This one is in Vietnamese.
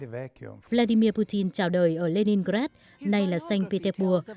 vladimir putin chào đời ở leningrad nay là st petersburg